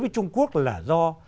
với trung quốc là do